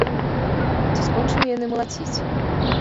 Ці скончылі яны малаціць?